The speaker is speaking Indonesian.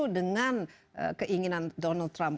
dan keinginan donald trump